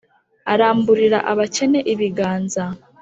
aramburira abakene ibiganza,